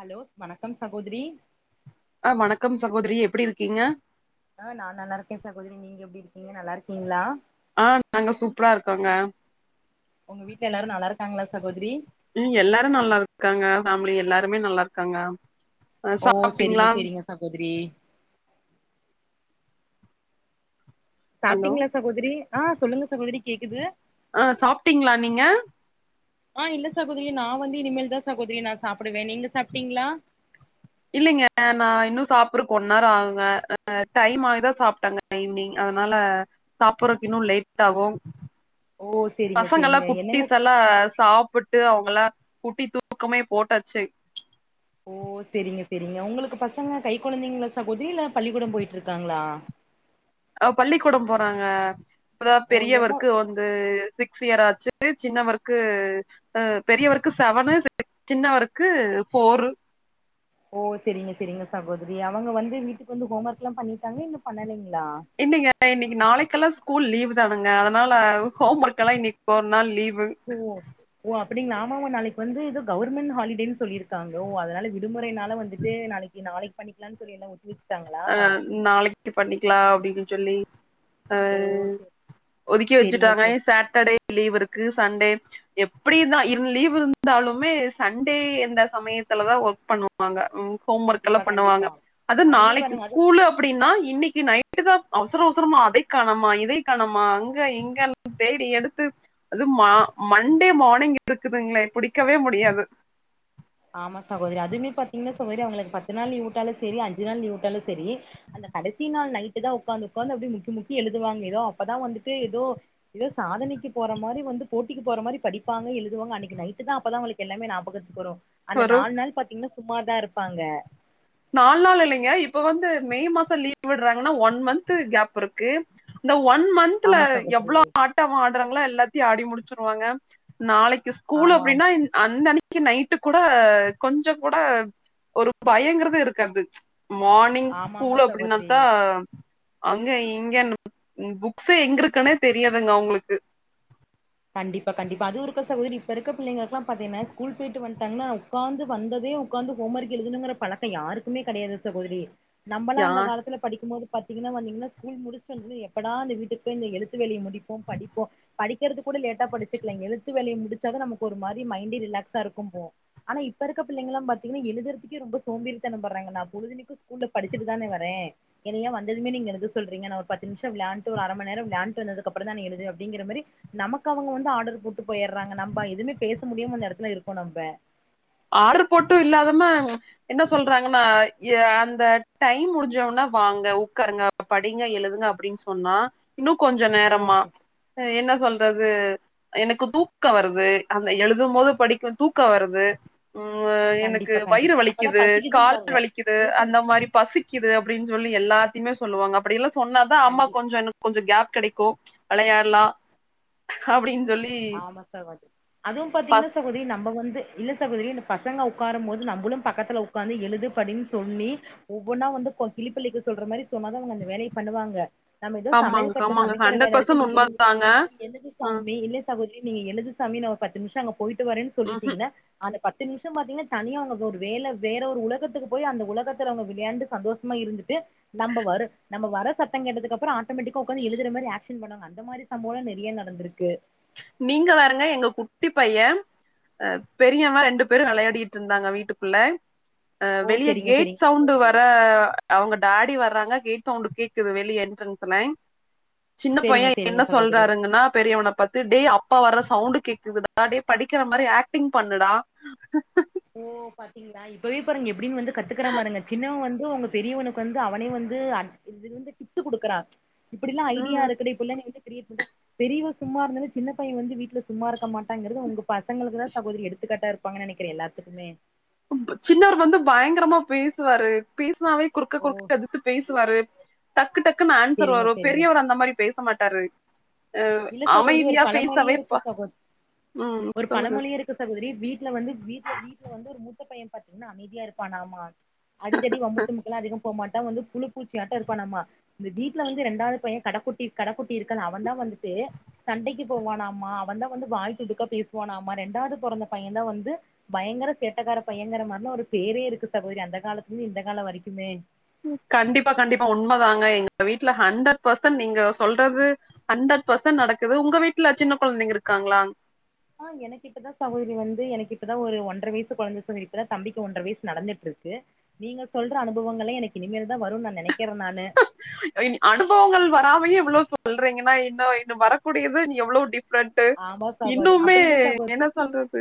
Hello வணக்கம் சகோதரி அஹ் வணக்கம் சகோதிரி எப்படி இருக்கீங்க ஆஹ் நான் நல்லா இருக்கேன் சகோதரிக்கு நீங்க எப்படி இருக்கீங்க நல்லா இருக்கீங்களா ஆஹ் நாங்க சூப்பரா இருக்கோங்க உங்க வீட்டுல எல்லாரும் நல்லா இருக்காங்களா சகோதரி ம் எல்லாரும் நல்லா இருக்காங்க ஃபேமிலி எல்லாருமே நல்லா இருக்காங்க அ ஓ சேரிங்க சாப்ட்டீங்களா சேரிங்க சகோதரி ஹலோ சாப்பிட்டீங்களா சகோதரி ஆஹ் சொல்லுங்க சகோதரி கேக்குது அஹ் சாப்பிட்டீங்களா நீங்க ஆஹ் இல்ல சகோதரி நான் வந்து இனிமேல் தான் சகோதரி நான் சாப்பிடுவேன் நீங்க சாப்பிட்டீங்களா இல்லைங்க நான் இன்னும் சாப்பிடறக்கு ஒன்னவர் ஆகுங்க டைம் ஆகிதான் சாப்பிட்டேங்க ஈவினிங் அதனால சாப்படுறக்கு இன்னும் லேட் ஆகும் ஓ செரிங்க பசங்க செரிங்க எல்லாம் என்னங்க குட்டீசெல்லாம் சாப்பிட்டு விட்டு அவங்கள குட்டி தூக்கமே போட்டச்சு ஓ சரிங்க சரிங்க உங்களுக்கு பசங்க கை குழந்தைங்களா சகோதரி இல்ல பள்ளிக்கூடம் போயிட்டு இருக்காங்களா பள்ளிக்கூடம் போறாங்க அப்பதான் ஓ என்ன பெரியவருக்கு வந்து கிளியராச்சு சின்னவருக்கு பெரியவருக்கு செவனு சின்னவருக்கு போ ரு ஓ சரிங்க சரிங்க சகோதரி அவங்க வந்து வீட்டுக்கு வந்து ஹோம் ஒர்க் எல்லாம் பண்ணிட்டாங்க இன்னும் பண்ணலைங்கள இல்லீங்க இன்னைக்கு நாளைக்கெல்லாம் ஸ்கூல் லீவ் தானுங்க அதனால ஹோம் ஒர்க் எல்லாம்இன்னிக்கு ஒர் நாள் லீவ் ஓ ஓ அப் ஆமாமா நாளைக்கு வந்து கவர்மெண்ட் ஹாலிடே சொல்லிருக்காங்க அதனால விடுமுறைனால வந்துட்டு நாளைக்கு நாளைக்கு பண்ணிக்கலாம்னு சொல்லியிருக்காங்க வச்சு அஹ் நாளைக்கு பண்ணிக்கலாம் அப்படின்னு சொல்லி ஓ ஆஹ செரி ஒதுக்கி செரிங்க வச்சுட்டாங்க செரி சாட்டர்டே லீவ் இருக்கு சண்டே எப்படிதான் இரு லீவ் இருந்தாலுமே சண்டே எந்த சமயம் ல தான் ஒர்க் பண்ணுவாங்க ஹோம் ஒர்க் கண்டிப்பா எல்லாம் பண்ணுவாங்க கண்டிப்பா அது அதுமே நாளைக்கு பாருங்க அது ஸ்கூலு அப்படின்னா இன்னைக்கு நைட்டு தான் அவசரம் அவசரமா அதை காணமா இதை காணமா அங்க இங்க தேடி எடுத்து அது மா மண்டே மார்னிங் இருக்குதுங்களே புடிக்கவே முடியாது ஆமா சகோதரி அதுமே பாத்தீங்கன்னா சகோதரி அவங்களுக்கு பத்து நாள் லீவுவிட்டாலும் சரி அஞ்சு நாள் லிவுட்டாலும் சரி அந்த கடைசி நாள் நைட்டு தான் உட்காந்து உட்காந்து முக்கி முக்கி எழுதுவாங்க ஏதோ அப்பதான் வந்துட்டு ஏதோ ஏதோ சாதனை அன்னைக்கு போற மாதிரி வந்து போட்டிக்கு போற மாதிரி படிப்பாங்க எழுதுவாங்க அன்னைக்கு நைட்டு தான் அப்பதான் எல்லாமே ஞாபகத்துக்கு வரும் அந்த ஒரு நாலு நாள் பாத்தீங்கன்னா சும்மாதான் இருப்பாங்க நாலு நாள் இல்லைங்க இப்ப வந்து மே மாசம் லீவ் விடுறாங்கன்னா ஒன் மந்த் கேப் இருக்கு இந்த ஒன் மந்த்ல ஆமா சகோதரி எவ்வளவு ஆட்டம் ஆடுறாங்களோ எல்லாத்தையும் ஆடி முடிச்சிருவாங்க நாளைக்கு ஸ்கூல் ஆமாம் அப்படின்னா அந்த அன்னைக்கு இன்னைக்கு நைட்டு கூட கொஞ்சம் கூட ஒரு பயங்கறது இருக்காது மார்னிங் ஆமா ஆமா ஸ்கூல் சகோதரி அப்படின்னாத்தா அங்க இங்க புக்ஸ எங்க இருக்குன்னே தெரியாதுங்க அவங்களுக்கு கண்டிப்பா கண்டிப்பா அதுருக்க சகோதரி இப்ப இருக்க பிள்ளைங்களுக்குல்லா பாத்தீங்கன்ன ஸ்கூல் போயிட்டு வந்தா உட்கார்ந்து வந்தது உட்கார்ந்து ஹோம்ஓர்க் எழுதுன்னுங்கிற பழக்கம்யாருக்குமே கிடையாது சகோதரி நம்மளாம் யா அந்த காலத்தில் படிக்கும்போது பாத்தீங்கன்னா வந்தீங்கன்னாூ முடிச்ச வ எட வீட்டு எழுத்து வேலிய முடிப்போம் படிப்போம் படிக்கிறதுக்கு லேட்டா படிச்சக்கலங்க எழுத்து வேலையை முடித்து நமக்கு ஒரு மாதிரி மைண்ட ரிலாக்ஸ்சா இருக்கும் போ ஆனா இப்ப இருக்க பிள்ளைங்க எழுதுறது ரொம்ப சோம்பே றங்க நான் பொழுதணிக்கும் ஸ்கூல் ல படிச்சட்டு தானே வரேன் ஏ வந்ததுமே நீங்க எ சொல்றீங்க ஒரு பத்து நிமிஷம் விலாண்டு ஒரு அரைம நேர விலாண்டு வந்தது அப்புறதா எழுது அப்படிங்கிர மேரி நமக்கு அவங்க வந்து ஆர்டர் போட்டு போயிடுறாங்க நம்ப எதுவுமே பேச முடியும் அந்த இடத்துல இருக்கோம் நம்ம ஆர்டர் போட்டும் இல்லாதமா என்ன சொல்றாங்கன்னா அந்த டைம் முடிஞ்சம்னா வாங்க உட்காருங்க படிங்க எழுதுங்க அப்படின்னு சொன்னா இன்னும் கொஞ்சம் ஓ நேரமா சரி, என்ன சொல்றது எனக்கு தூக்கம் வருது அந்த எழுதும் போது படிக்கும் தூக்க வருது ம் எனக்கு கண்டிப்பா வயிறு கண்டிப்பா அப்பதா வலிக்குது கால் பசிக்குதும்பாங்க வலிக்குது இல்ல அந்த சாமி மாரி பசிக்குது அப்படின்னு சொல்லி எல்லா சொல்லுவாங்க அப்படிெல்லா சொன்னாதான் அம்மா கண்டி கொஞ்ச இன்னும் கொஞ்சம் கேப் கிடைக்கும் விளையாடலா அப்படின்னு ஆமா சக அதுவும் பாத்தீங்கன்னா பஸ் சகோதி நம்ம வந்து இல்ல சகோதரி இ பசங்க உட்காரும் போது நம்மளும் பக்கத்துல உட்கார்ந்து எழுது படின்னு சொல்லி ஒவ்வொன்னா வந்து கிளிபுள்ளிக்கு சொல்ற மாரி சொன்னாத அவங்க அந்த வேலையை பண்ணுவாங்க நம்ம ஏதோ சமையல் ஆமாங்க கட்ல ஆமாங்க சமைக்கிற ஹண்ட்ரட் வேலை இருக்கு பர்சன்ட் நீ எழுது உண்மதாங்க நீ எழுது ம் சாமி இல்லை சகோதரி நீங்க எழுது சாமி நான் ஒரு பத்து நிமிஷம் அங்க போயிட்டு வரேு ம் சொல்லிட்டீங்கன்னா அந்த பத்து நிமிஷம் பாத்தீங்கன்னா தனியா அவங்க ஒரு வே வேற ஒரு உலகத்துக்கு போய் அந்த உலகத்துல அவங்க விளையாண்டு சந்தோஷமா இருந்து நம்ம வரும் நம்ம வர சத்தம் கேட்டதுக்கு அப்றம் ஆட்டோமேட்டிக்கா உட்கார்ந்து எழுதுற மாதிரி ஆக்ஷன் பண்ணுவாங்க அந்த மாரி சம்ப நிறைய நடந்திருக்கு நீங்க வேறங்க எங்க குட்டி பையன் அ பெரியம்மா ரெண்டு பேரும் விளையாடிட்டு இருந்தாங்க வீட்டுக்குள்ள அ ஓ வெளிய செரிங்க கேட் செரிங்க சவுண்ட சகோதரி வர அவங்க டாடி வர்றாங்க கேட் சவுண்டு கேக்குது வெளியல என்றென்சேல சின்ன செரிங்க பையன் செரிங்க என்ன சகோதரி சொல்றாருங்கன்னா பெரியவன பார்த்து அப்பா வர்ற சவுண்ட் கேக்குதுடா ஹே படிக்கிற மாதிரி ஆக்டிங் பண்ணுடா ஓ பாத்தீங்களா இப்பவே பாருங்க எப்படின்னு வந்து கத்துக்கற பாருங்க சின்னவ வந்து உங்க பெரியவனுக்கு வந்து அவனே வந்து இ வந்து டிப்ஸ் கொடுக்குறான் இப்படில்ல ஐடியா ம் இருக்கு இப்பல்ல நீ பெரிய புள்ள பெரியவ சும்மா இருந்த சின்ன பையன் வந்து வீட்ல சும்மா இருக்க மாட்டாங்கிறது உங்க பசங்களுக்குதான் சகோதரி எடுத்துக்காட்டா இருப்பாங்கு நினைக்கிறேன் எல்லாத்துக்குமே சின்னவர் வந்து பயங்கரமா பேசுவாரு பேச னாலே குறுக்க ஓ குறுக்க எதுத்து பேசுவாரு டக்கு டக்குன்னு ஆன்சர் செரிங்க வரும் செரிங்க பெரியவர் அந்த மாரி பேச பேச மாட்டாரூ இல்ல சகோதரி ஒரு பழமொழியே இருக்கு சகோதரி ம் ஒரு சொல்லுங்க பழமொழியே இருக்கு சகோதரி வீட்ல வந்து வீட்ல வீட்ல வந்து ஒரு முத்த பைய பாத்தீங்கன்னா அமைதியா இருப்பான் நாமா அடிதடி வம்புத்தும்க்க எல்லாம் அதிக போ மாட்ட வந்து புழுப்பூச்சியாட்ட இருப்பான்னாமா இந்த வீட்ல வந்து இரண்டாவது பையன் கடகுட்டி கடகுட்டி இருக்க அவன் தான் வந்து வந்து சண்டைக்கு போவானாம்மா அவன் தான் வந்து வாய்த்துடுக்கா பேசுவானாம்மா ரெண்டாவது பிறந்த பையன் தான் வந்து பயங்கர சேட்டக்கார பைய யங்கர மாரி ஒரு பேரே இருக்கு சகோதரி அந்த காலத்துல இருந்து இந்த கால வரைக்குமே கண்டிப்பா கண்டிப்பா உண்மைதாங்க எங்க வீட்ல ஹண்ட்ரட் பெர்சன்ட் நீங்க சொல்றது ஹண்ட்ரட் பசன் நடக்குது உங்க வீட்ல சின்ன குழந்தைங்க இருக்காங்களா ஆ எனக்கு இப்பதான் சகோதரி வந்து எனக்குப்பதான் ஒரு ஒன்றரை வயசு குழந்தை சகோதரி இப்பதான் தம்பிக்கு ஒன்றரை வயசு நடந்துட்டு இருக்கு இருக்கு நீங்க சொல்ற அனுபவங்களை எனக்கு இனிமேல் தான் வரும் நான் நினைக்கிறே அனுபவங்கள் வராமே இவ்வளோ சொல்றீங்கன்னா இன்னு இன்னோ வரக்கூடியது எவ்வளவு டி கு ஆமா சகோதரி இன்னுமே அப்டி இல்ல சகோதரி என்ன சொல்றது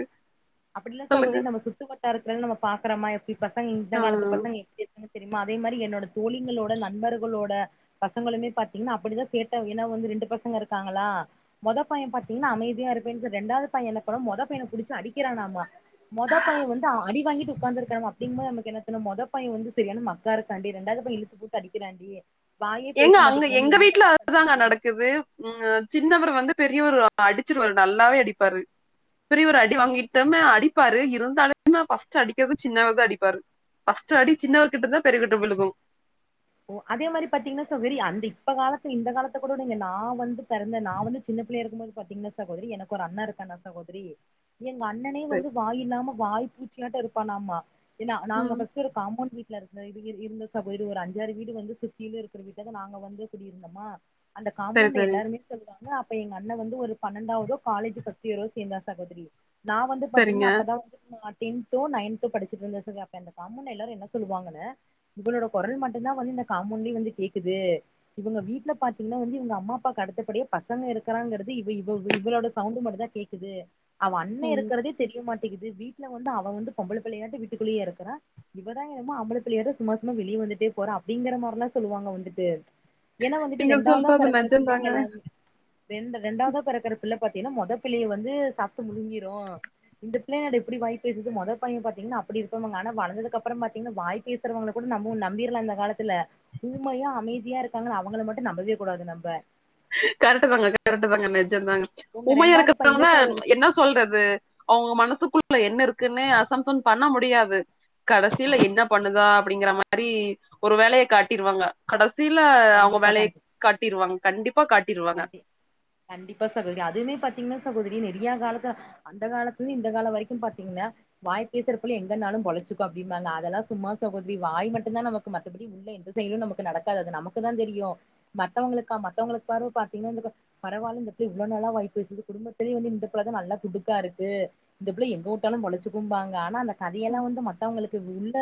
அப்டில்ல சகொதி சொல்லுங்க. நம்ம சுத்து வட்டாரத்துல நம்ம பாக்கறமா எப்டி பசங்க இந்த ஆ. காலத்து பசங்க எப்டி என்னு தெரியுமா அதே மாரி என்னோட தோழிங்களோட நண்பர்களோட பசங்களுமே பாத்தீங்கன்னா அப்டிதா சேட்ட ஏன்னா வந்து ரெண்டு பசங்கயிருக்காங்களா மொத பையன் பத் ன்னா அமைதியா இருகேன் சொல்லி இண்டாவது பையன் என்ன பண்ண மொத பையன புடிச்சு அடிக்கிறானாமா மொத பையன் வந்து அடி வாங்கிட்டு உட்காந்துருக்காண அப்டிங்னு நமக்கு என்னதொண்ண மொத பைய வந்து செரியான மக்கா இருக்கண்டி ரெண்டாவுது பைய இழுத்து போட்டு அடிக்கிறாண்டி வாயே பேச எங்க அங்க மாட்டேங்கிறாண்டி எங்க என்ன வீட்டுல தாண்டி பண்றது அதுதாங்க நடக்குது உஹ சின்னவர் வந்து பெரியவரு அடிச்சுட்டுவரு நல்லாவே அடிப்பாரு பெரியவரு அடி வாங்கிட்டு தம அடிப் பப்பாரு இருந்தாலும ஃர்ஸ்ட் அடிக்கறது சின்னாவத அடிப்பாரு பஸ்ட் அடி சின்னவர்கிட்டதா பெரியவக்கிட்ட விழுகு ஓ அதே மாரி பாத்தீங்கன்னா சோ வெரி அந்த இப்ப காலத்து இந்த காலத்த கூட நீங்க நா வந்து பிறந்த நா வந்து சின்ன சின்ன பிள்ளைய இருக்கும்போது பாத்தீங்கன்னா சகோதரி எனக்கு ஒரு அண்ணா இருக்கான்னா சகோதரி எங்க அண்ணனே சரி. வந்து வாய் இல்லாம வாய் பூச்சியாட்ட இருப்பானமா ஏனா நாங்க ம். பஸ்டு ஒரு காம்போண்ட் வீல இது இரு இருந்தா ஸ்லயா போய்டு ஒரு அஞ்சாறு வீடு வந்து சுத்திலிலு இருக்கிற வீட்டதா நாங்க வந்து குடியிருந்தமா அந்த சரி, காம்மொண்டு சரி. எல்லாவீட்லமே சொல்றாங்க இப்ப எங்க அண்ணன் வந்து ஒரு பன்னெண்டாவதோ காலேஜ் பஸ்ட் இயரோ சேந்தா சகோதரி நான் வந்து சரிங்க பாத்தீங்கன்னா அப்பதா வந்து ஆற் டென்தௌ நயன்தோ படிச்சட்டு இருந்த தோரி அப்ப அந்த கம்மொண்டல எல்லாரு என்ன சொல்லுவாங்கனு இவளோட குரல் மட் து வந்து இந்த காமொண்ட்லே வந்து கேக்குது இவுங்க வீட்டுல பாத்தீங்க வந்துங்க அம்மா அப்பா அடுத்தபடிய பசங்க இருக்கிறாங்து இ இவளோட சவுண்ட் மட்டு தா கேக்குது அவ அண்ண ம் இருக்கிறதே தெரியமாட் டக்து வீட்டுல வந்து அவன் வந்து பொம்பள பிள்ளையாட்டோ வீட்டுக்குள்ளே இருக்குறா இவதா என்னமோ ஆம்பள பிள்ளயாட்டோ சும்மா சும்மா வெளியே வந்துட்டே போற அப்டிங்கற மாரியெல்லா சொல்லுவாங்க வந்துட்டு ஏன்னா வந்துட்டு நீங்க ரெண்டாவதா சொல்றது பெறக்கற பிள்ளைங்க நெஜந்தாங்க எல்லர்மெ ரெண்டாவதா பெறக்கற பிள்ள பாத்தீங்கன்னா மொதப்பிள்ளயொ வந்து சாப்ட்டு முழுங்கிரு இந்த பிள்ளயான்டா இப்டி வாய் பேசுது மொத பய்ய பாத்திங்ன்னா அப்டியிருபாங் வளந்தது அப்புறோ பாத்திங்னா வாய் பேசுறவங்க கூட நம்ம நம்பிர்லா அந்த காலத்துல ஊமையா அமைதியா இருக்காங்கள அவுங்கள மட்டு நம்பவே கூடாது நம்ம கரெக்ட் தாங்க கரெக்ட் தாங்க நெஜ் ஞ்ஞதாங்க உங்க உமையா ரெண்டாவது பையன்ல இருக்கறதால சகோதரி என்ன சொல்றது அவுங்க மனசுக்குள் ள என்ன இருக்குன்னே அசம்சன் பண்ண முடியாது கடைசியில என்ன பண்ணுதொ அப்டிங்கிற மாரி ஒரு வேலைய காட்டிருவாங்க கடைசியில அவுங்க கண்டிப்பா வேலைவ் கண்டி காட்டிருவாங்க கண்டிப்பா காட்டிருவாங்க கண்டி கண்டிப்பா சகோதரி அதுவுமே பாத்தீங்கன்னா சகோதரி நெறைய காலத்து அந்த காலத்துலியு இந்த காலம் வரைக்கு பாத்தீங்கன்னா வாய்ப்பேசுற புள்ள எங்கபோனாலு பொழச் சுக்கு அப்ப அதெல்லா சும்மா சகோதரி வாய் மட்டுதா நமக்கு மற்றுபடி உள்ள எந்த செயலு நமக்கு நடக்காது நமக்குதா தெரியு தியு மத்தவங்களுக்கா மத்தவங்களுக்கு பரு பாத்தீங்கன்னா இந்த பரவால இந்நபுள்ள இவ்ளோ நல்லா வாய் பேசுது குடும்பத்துலயே வந்து இந்த புள்ளதா நல்ல துடுக்கா இருக்கு இந்த பிள்ள எங்கஉட்டாலு பொழச்சுகுபாங்க ஆனா அந்த கதையெல்லா வந்து மத்தவங்களுக்கு உள்ள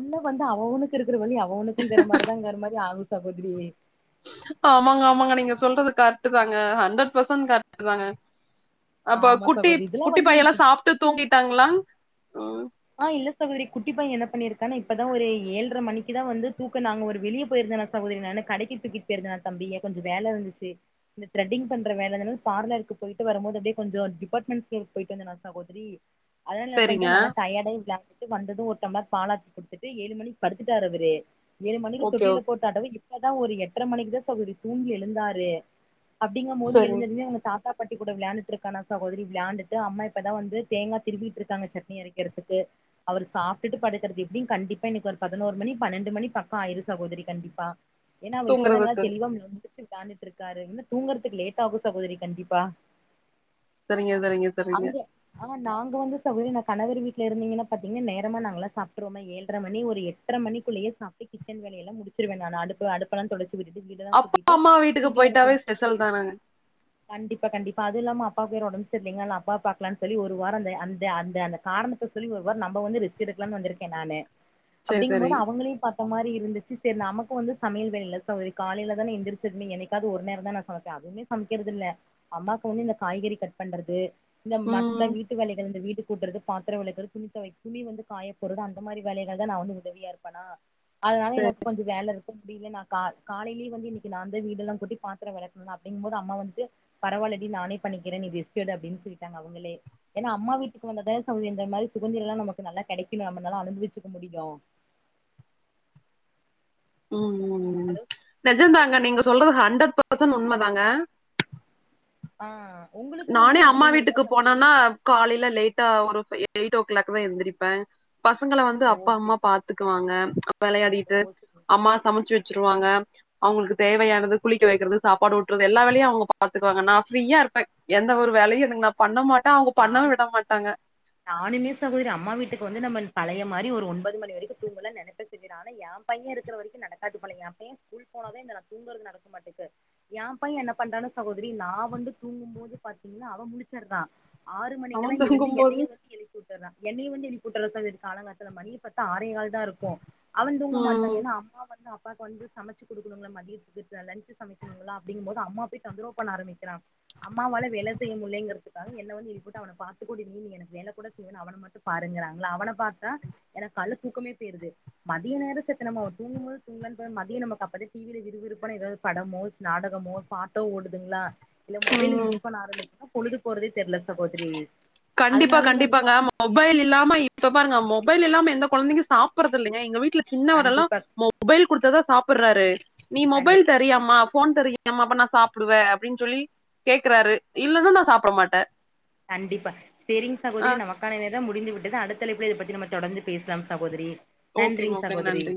உள்ள வந்து அவஅவனு இர்க்குற அவனுக்குங்கற மாதிரிதாங்கற மாரி ஆகு சகோதிரி ஆமாங்க ஆமாங்க நீங்க சொல்றது கரெக்டு தாங்க ஹண்ட்ரட்பர்சன்ட் கரக்ட தாங்க அப்ப ஆமா குட்டி சகோதரி இதெல்லாம் குட்டி வந்து எனக்கு பையெல்லா சாப்ட்டு தூங்கிட்டாங்களா ம் ஆ இல்ல சகோதரி குட்டிப்பையன் என்ன பண்ணியிருக்கானா இப்பதா ஒரு ஏழ்டர மணிக்குதா வந்து தூக்க நாங்க ஒரு வெளியே போயிருக்க சகோதரி நானு கடைக்கு தூக்கிட்டு போயிருந்தே தம்பி கொஞ்சோ வேல இருந்துச்சு இந்த த்ரேட்டிங் பண்ற வேலதா பார் இருக்கு போயிட்டு வரும்போது அப்டியே கொஞ்சோ டிபார்டமென்ட் ஸ்டோர் போயட்டு வந்தேன சகோதரி அதனால என்னபண்ட சரிங்க நல்ல கடை விளயாண்டு வந்தது ஒரு டம்ளர் பாலாத்தி குடுத்துட்டு ஏழு மணிக்கு படுத்துட்டாரு அவ்ரு ஏழு மணிக்கு ஓகே தொட்டில ஓகே போட்டாட்டவு இப்பதா ஒரு எட்டரை மணிக்குதா சகோதரி தூங்கி எழுந்தாரு அப்டிங்க போது சரிங்க எழுந்துளுந்து அவ்ங்க சாப் தாதா பாட்டி கூட வெளையாண்ட்டு இருக்கானா சகோதரி வெளயாண்டுட்டு அம்மா இப்பதா வந்து தேங்க திருவிட்டு இருக்காங்க சட்னி அரைக்க றேதுக்கு அவரு சாப்ட்டுட்டு படுக்கறது எப்டியு கண்டிப்பா இன்னைக்கு ஒரு பதினோரு மணி பன்னெண்டு மணி பக்கோ ஆயிரு சகோதரி கண்டிப்பா ஏனா அவுரு இப்பதா நல்லா தூங்குறதுக்கு தெளிவா ம்ம முடிச்சு வி க்காந்துட்ருக்காரு இன்னு தூங்கறதுக் லேட் ஆகு சகோதரி கண்டிப்பா சரிங்க சரிங்க சரிங்க அங்க அ நாங்க வந்து சகோதரி ந கணவர் வீ ட்லருந்தீங்கனா பாத்திங்னா நேரமா நாங்கல்லா சாப்ட்ருவமே ஏழ்ர மணி ஒரு எட்ர மணிக்குள்ளயே சாப்ட்டு கிச்சன் வேலையெல்லா முடி ச்சிருவே நானு அடுப்பு அடுப்பெலாந் தொட அப்பா அம்மா வீட்டுக்கு போயிட்டாவே ஸ்பெசல் தானங்க ப்பா கண்டிப்பா அது இல்லாம அப்பாவுக் வேற ஒடம் செர்லீங்க அதல அப்பாவ பாக்லான் சொல்லி ஒரு வாரோ இந்த அந்த அந்த அந்த கார்ண த சொல்லி ஒரு வார் நம்ப வந்து ரெஸ்ட் எடுக்லான் வந்திருக்கே நானு சேரி அப்டிங்கும் போது சேரிங்க அவுங்களையு பா ப்ப மாரி இருந்துச்சி செர் நமக்கு வந்து சமையல் வேலை இல்ல சோ ஒரு காலையில தான எந்திரிச்சர்மே என்னைக்காது ஒரு நேரந்தா நா சமைப்பே அதுமே சம்க்கிறது இல்ல அம்மாக்கு வந்து இந்த காய்கறி கட் பண்றது இந்த மத்த ம் வீட்டு வேலைகள் இந்த வீடு கூட்றது பா த்தர வெலக்குற துணித்தொவை துணி வந்து காயப்போறது அந்த மாரி வேலைகள் தா நா வந்து உதவியாருப்பனா அதுனால எனக்கு கொஞ்ச வேல இருக்கு அப்டியில்லனா கா காலைலியே வந்து இன்னிக்கு நாந்த வீடெல்லாங் கூட்டி பாத்தர வெலக்ன் அப்டிங்ம்போது அம்மா வந்துட்டு பரவால்லடி நானே பண்ணிக்கிறே நி கெஸ்ட் எடு அப்டின் சொல்லிட்டாங்க அவுங்களே ஏன்னா அம்மா வீட்டுக்கு வந்தத [unintelligible] இந்த மாரி சுதந்திரெல்லா நமக்கு நல்லா கெடைக்குணு நம்மனால அனுபிவிச்சுக்க முடியு [inaudible] ம் ம் அது நெஜந்தாங்க கேக்குதுங்களா நீங்க சொல்றது சகோதரி ஹண்ட்ரட் பர்சன் உண்மதாங்க ஆ உங்களுக்கு இந்த நானே மாரி அம்மா அனுபவம் இருக்கா வீட்டுக்கு சகோதரி போனான்னா காலைல லேட்டா ஒரு ஃப எ எயிட் ஒ க்லாக் தா எந்திரிப்பே பசங்கள வந்து ஓ அப்பா சரி அம்மா பாத்துக்குவாங்க ஓ வெளையாடிட்டு சரி அம்மா சமச்சு வெ ச்சுருவாங்க அவுங்குளுக்கு தேவையானது குளிக்க வெக்கிறது சாப்பாடு ஊட்றது எல்லா வேலையு அவுங்க பாத்துக்குவாங்க நா ஃப்ரீயாருப்பே எந்த ஒரு வேலையு எனுக் நா பண்ண மா நான் நானுமே சகோதரி அம்மா வீட்டுக்கு வந்து நம்ம பழைய மாரி ஒரு ஒன்பது மணிவரைக்கு தூங்கல நெனப்பே செரி ஆனா எ பைய இருக்கிற வரைக்கு நடக்காது போல எ பைய ஸ்கூல் போனதா இந்த நா தூங்கறது நடக்கு மாட்டுக்கு எ பைய என்ன பண்றான சகோதரி நா வந்து தூங்கும்போது பாத்தீங் ன்னா அவ முழிச்சர்றா ஆறு அவ மணிக்கெல்லா எழுந்து தூங்கும்போது என்னையு வந்து எழிப்பி உட் டர்றா என்னைய வந்து எழிப்பி உட்ர்றா சகோதி காலங்காத்தால மணிய பாத்தா ஆறேகால் தாருக்கு அவந் தூங்க மாட்டா ம் ஏனா அம்மா வந்து அ ப்பாக்கு வந்து சமைச்சு குடுக்குணுங்ள மதியத்துக்கு த லஞ்ச்சு சமைக்குணுங்களா அப்டிங்ம்போது அம்மா போய் தொந்தரவ் பணண ஆரமிக்கிறா அம்மாவால வேல செய்ய முல்லேங்கறதுக்காக என்ன வந்து எ ழ்புட்டு அவன பாத்துக்கோடி நீ நீ எனக்கு வேல கூட செய்வேனா அவன மட்டு பாருங்கிறாங்ளா அவன பாத்தா எனக் கால்ல தூக்கமே பேய்ருது மதிய நேர செத்த நம்மோ தூங்கும்போது தூங்கலான் பா மதிய நமக் அப்பதா டி வி லே விறுவிறுப்பான எதாவ்து பட மோ ஸ் நாடகமோ பாட்டோ ஓடுதுங்ளா இல்ல மொபைலு ம் யூஸ் பண்ண ஆரமிச்சம்னா பொழுது போறதே தெர்ல சகோதரி கண்டிப்பா அதனாலயே வந்துட்டு கண்டிப்பாங்க மொபைல் இல்லாம இப்ப பாருங்க மொ பைல் இல்லாம எந்த கொழந்தைங்க சாப்பறது இல்லைங்க எங்க வீட்ல சின்னவர் எல்லா கண்டிப்பா மொபைல் குடுத்ததா சாப்பர்றாரு நீ கண்டி மொபைல் தரியாம்மா ஃபோன் தரியாம்மா அப்ப நா சாப்டுவே அப்டின் சொல்லி கேக்கறாரு இல்லன்னா நா சாப்ட மாட்டே கண்டிப்பா சேரிங் ஆ சகோதரி நமக்கான நேரம் முடிந்து விட்டது அடுத்த அழைப்புல இத பத்தி நம்ம தொடந்து பேசலாம் சகோதரி ஓகேங்க நன்றிங் ஓகேங்க சகோதரி நன்றி